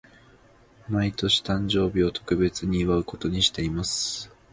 毎年、誕生日を特別に祝うことにしています。